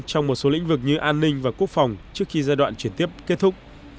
trong một số lĩnh vực như an ninh và quốc phòng trước khi giai đoạn chuyển tiếp kết thúc